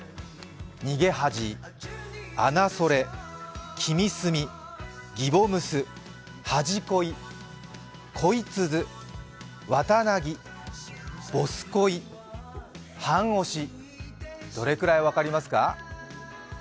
「逃げ恥」、「あなそれ」、「きみすみ」「ギボムス」、「はじ恋」、「恋つづ」、「わたなぎ」、「ボス恋」、「判押し」、どれくらい分かりますか？